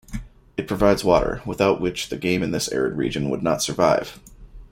It provides water, without which the game in this arid region could not survive.